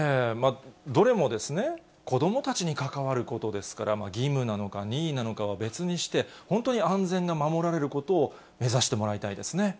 どれも子どもたちに関わることですから、義務なのか、任意なのかは別にして、本当に安全で守られることを目指してもらいたいですね。